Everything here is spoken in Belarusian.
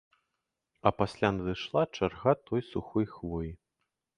А пасля надышла чарга той сухой хвоі.